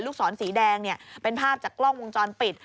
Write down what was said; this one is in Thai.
ศรสีแดงเป็นภาพจากกล้องวงจรปิด